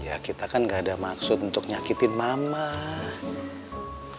ya kita kan gak ada maksud untuk nyakitin mama